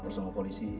pengurusan sama polisi